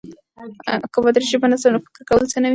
که مادي ژبه نسته، نو د فکر کولو څه نه وي.